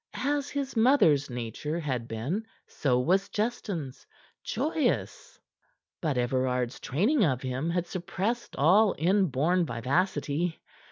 As his mother's nature had been, so was Justin's joyous. But Everard's training of him had suppressed all inborn vivacity.